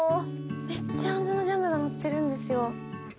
めっちゃあんずのジャムがのってるんですよ。